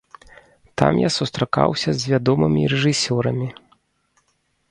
Там я сустракаўся з вядомымі рэжысёрамі.